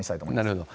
なるほど。